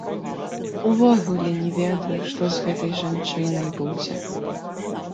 Увогуле не ведаю, што з гэтай жанчынай будзе.